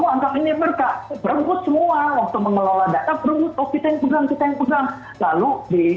lalu dia harus beri dukungan yang ada di data rental pakai data telas tapi tidakreliem